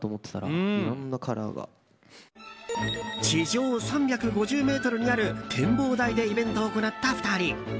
地上３５０ｍにある展望台でイベントを行った２人。